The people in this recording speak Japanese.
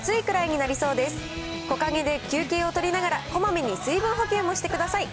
木陰で休憩をとりながら、こまめに水分補給もしてください。